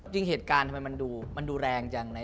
จริงเหตุการณ์ทำไมมันดูแรงจัง